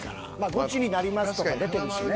「ゴチになります！」とか出てるしね。